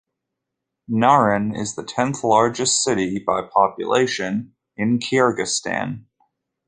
Naryn is the tenth largest city by population in Kyrgyzstan.